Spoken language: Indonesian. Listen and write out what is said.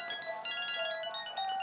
nih ini udah gampang